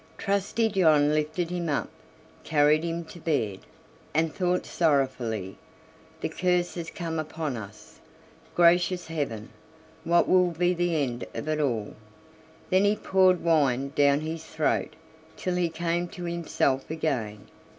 Trusty John lifted him up, carried him to bed, and thought sorrowfully: "The curse has come upon us; gracious heaven! what will be the end of it all?" Then he poured wine down his throat till he came to himself again.